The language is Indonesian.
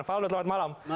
valdo selamat malam